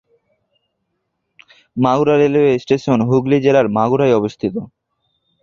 Mogra railway station Hooghly জেলার মগরায় অবস্থিত।